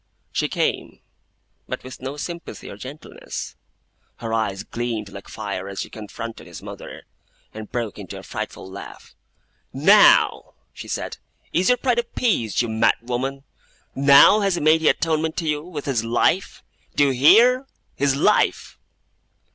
She came, but with no sympathy or gentleness. Her eyes gleamed like fire as she confronted his mother, and broke into a frightful laugh. 'Now,' she said, 'is your pride appeased, you madwoman? Now has he made atonement to you with his life! Do you hear? His life!